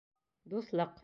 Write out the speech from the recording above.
ДУҪЛЫҠ